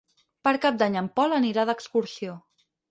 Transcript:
Per Cap d'Any en Pol anirà d'excursió.